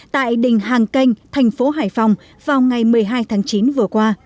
tại đình hàng canh thành phố hải phòng vào ngày một mươi hai tháng chín vừa qua